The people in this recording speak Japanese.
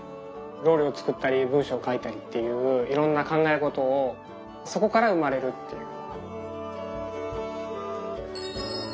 料理を作ったり文章を書いたりっていういろんな考えごとをそこから生まれるっていうのが。